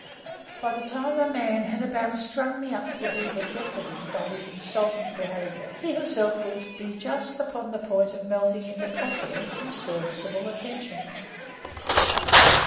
By the time a man had about strung me up to be the death of him by his insulting behaviour, he himself would be just upon the point of melting into confidence and serviceable attentions.